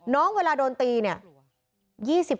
น้องเวลาโดนตีเนี่ย